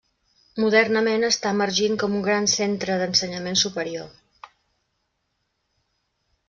Modernament està emergint com un gran centre d'ensenyament superior.